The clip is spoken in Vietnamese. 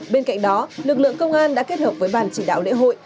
bên cạnh đó lực lượng công an đã kết hợp với bàn chỉ đạo lễ hội